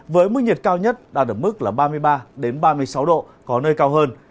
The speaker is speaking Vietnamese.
với mức nhiệt cao nhất đạt ở mức ba mươi ba ba mươi sáu độ có nơi cao hơn